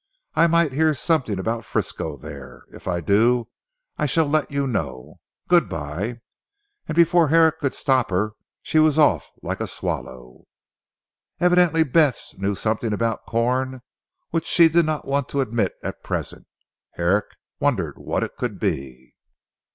I might hear something about Frisco there. If I do I shall let you know. Good bye!" and before Herrick could stop her she was off like a swallow. Evidently Bess knew something about Corn which she did want to admit at present. Herrick wondered what it could be.